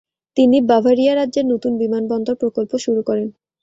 তিনি বাভারিয়া রাজ্যের নতুন বিমানবন্দর প্রকল্প শুরু করেন।